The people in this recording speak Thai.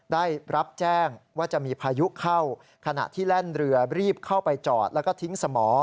ใดรับแจ้งว่าจะมีพายุเข้าฮแล้วเรียบเข้าไปจอดและทิ้งสมอ